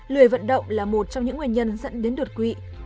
lười vận động là một trong những nguyên nhân dẫn đến đột quỵ